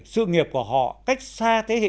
sự nghiệp của họ cách xa thế hệ